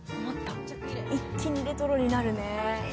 一気にレトロになるね。